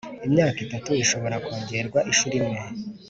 Imyaka itatu ishobora kongerwa inshuro imwe.